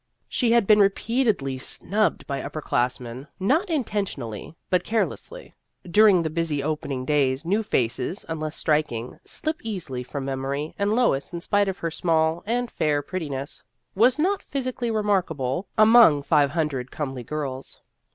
She had been repeatedly snubbed by upper classmen, not intentionally but carelessly ; during the busy opening days, new faces, unless striking, slip easily from memory, and Lois, in spite of her small and fair pretti ness, was not physically remarkable among 30 Vassar Studies five hundred comely girls.